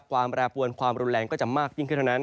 แปรปวนความรุนแรงก็จะมากยิ่งขึ้นเท่านั้น